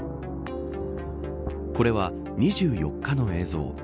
これは、２４日の映像